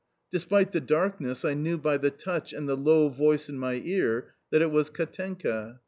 Despite the darkness, I knew by the touch and the low voice in my ear that it was Katenka.